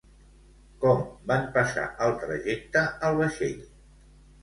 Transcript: Com van passar el trajecte al vaixell?